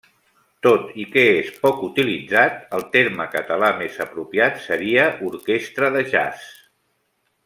Tot i que és poc utilitzat, el terme català més apropiat seria orquestra de jazz.